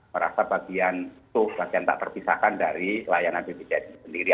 merasa bagian itu bagian tak terpisahkan dari layanan bpjs itu sendiri